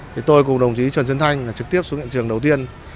thì tôi cùng đồng chí trần xuân thanh trực tiếp xuống hiện trường đầu tiên